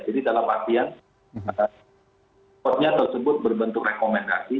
jadi dalam latihan spot nya tersebut berbentuk rekomendasi